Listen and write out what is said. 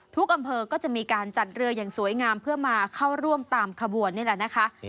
อำเภอก็จะมีการจัดเรืออย่างสวยงามเพื่อมาเข้าร่วมตามขบวนนี่แหละนะคะ